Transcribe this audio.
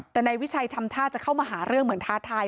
แต่นายวิชัยทำท่าจะเข้ามาหาเรื่องเหมือนท้าทาย